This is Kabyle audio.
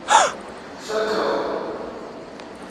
Fakeɣ.